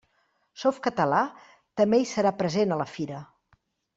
Softcatalà també hi serà present a la fira.